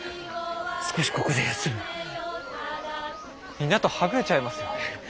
皆とはぐれちゃいますよ。